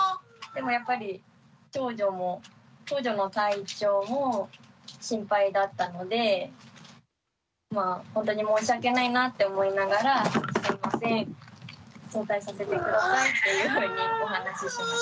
でもやっぱり長女の体調も心配だったのでほんとに申し訳ないなって思いながら「すいません早退させて下さい」っていうふうにお話ししました。